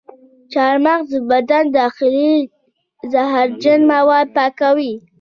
چارمغز د بدن داخلي زهرجن مواد پاکوي.